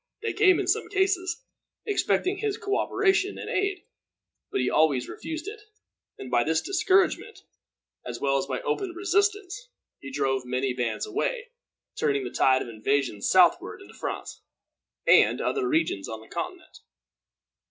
They came, in some cases, expecting his co operation and aid; but he always refused it, and by this discouragement, as well as by open resistance, he drove many bands away, turning the tide of invasion southward into France, and other regions on the Continent.